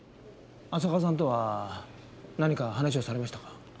浅川さんとは何か話をされましたか？